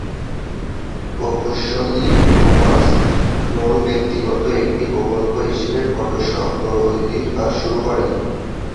প্রকৌশলী Thomas Knoll ব্যক্তিগত একটি প্রকল্প হিসেবে ফটোশপ তৈরির কাজ শুরু করেন।